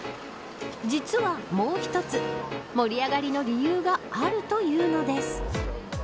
実は、もう一つ盛り上がりの理由があるというのです。